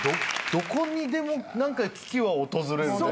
どこにでも危機は訪れるね。